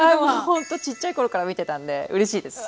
ほんとちっちゃい頃から見てたんでうれしいです。